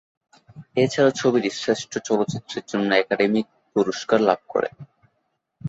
এছাড়া ছবিটি শ্রেষ্ঠ চলচ্চিত্রের জন্য একাডেমি পুরস্কার লাভ করে।